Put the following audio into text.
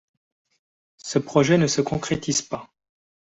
Ce projet ne se concrétise pas.